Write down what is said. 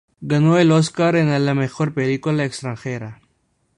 Ganó el Oscar en a la mejor película extranjera.